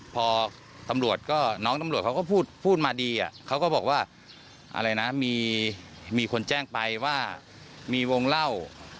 พอน้องตำรวจเขาก็พูดมาดีเขาก็บอกว่ามีคนแจ้งไปว่ามีวงเล่า